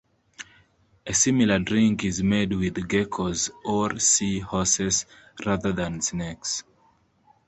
A similar drink is made with geckos or sea horses rather than snakes.